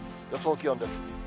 予想気温です。